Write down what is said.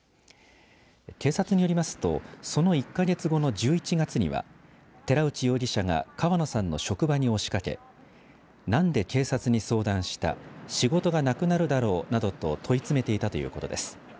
警察によりますとその１か月後の１１月には寺内容疑者が川野さんの職場に押しかけ何で警察に相談した仕事がなくなるだろうなどと問い詰めていたということです。